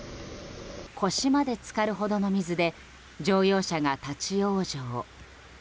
腰まで浸かるほどの水で乗用車が立ち往生。